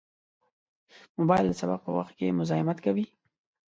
موبایل د سبق په وخت کې مزاحمت کوي.